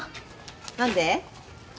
何で？